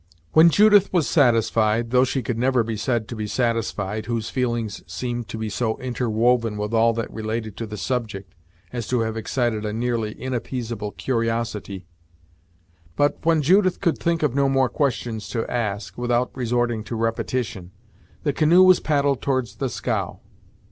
When Judith was satisfied though she could never be said to be satisfied, whose feelings seemed to be so interwoven with all that related to the subject, as to have excited a nearly inappeasable curiosity but, when Judith could think of no more questions to ask, without resorting to repetition, the canoe was paddled towards the scow.